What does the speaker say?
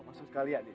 masuk sekali ya d